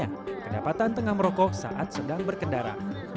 yang kedapatan tengah merokok saat sedang berkendara